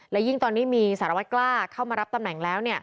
และยิ่งตอนนี้มีสารวัตรกล้าเข้ามารับตำแหน่งแล้ว